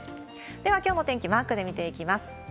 では、きょうの天気、マークで見ていきます。